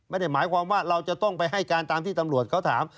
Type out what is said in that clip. ไม่ได้หมายความว่าเราจะต้องไปให้การตามที่ตำรวจเขาถาม